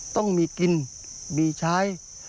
ต้องมีกินมีใช้